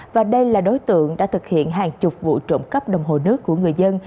và đây là đối tượng đã thực hiện hàng chục vụ trộm cắp đồng hồ nước của người dân